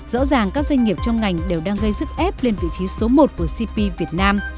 rõ ràng các doanh nghiệp trong ngành đều đang gây sức ép lên vị trí số một của cp việt nam